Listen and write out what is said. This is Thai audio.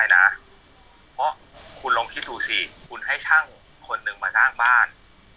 แล้วก็ลงแรงโดยที่เขามาตั้งบ้าน